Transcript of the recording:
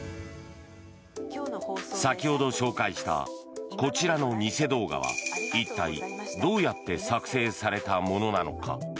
先ほど紹介したこちらの偽動画は一体、どうやって作成されたものなのか。